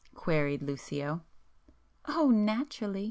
queried Lucio. "Oh, naturally!